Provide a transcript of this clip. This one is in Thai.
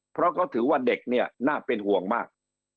เพราะเขาถือว่าเด็กเนี่ยน่าเป็นห่วงมาก